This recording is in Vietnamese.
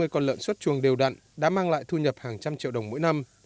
hai trăm năm mươi con lợn suốt chuồng đều đặn đã mang lại thu nhập hàng trăm triệu đồng mỗi năm